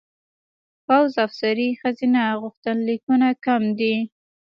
پوځ افسرۍ ښځینه غوښتنلیکونه کم دي.